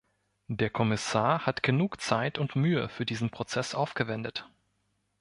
Der Kommissar hat genug Zeit und Mühe für diesen Prozess aufgewendet.